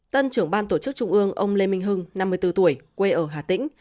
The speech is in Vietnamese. tân trưởng ban tổ chức trung ương ông lê minh hưng năm mươi bốn tuổi quê ở hà tĩnh